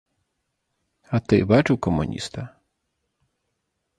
А ты бачыў камуніста?